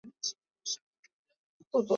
是天主教横滨教区的主教座堂。